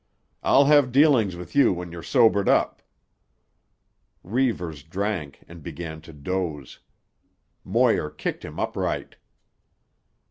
"I'll have dealings with you when you're sobered up." Reivers drank and began to doze. Moir kicked him upright.